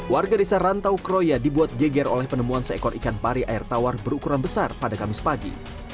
warga desa rantau kroya dibuat geger oleh penemuan seekor ikan pari air tawar berukuran besar pada kamis pagi